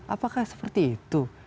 apakah seperti itu